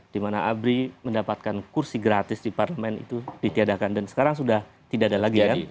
dimana abri mendapatkan kursi gratis di parlemen itu ditiadakan dan sekarang sudah tidak ada lagi